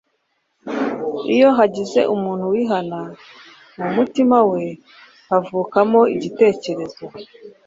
Iyo hagize umuntu wihana, mu mutima we havukamo igitekerezo